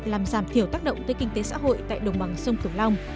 làm giảm thiểu tác động tới kinh tế xã hội tại đồng bằng sông cửu long